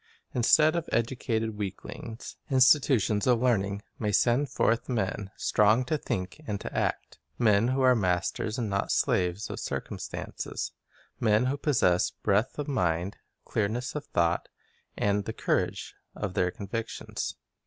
Instead of educated weaklings, institutions of learning may send forth men strong to think and to act, men who are masters and not slaves" of circum stances, men who possess breadth of mind, clearness of thought, and the courage of their convictions.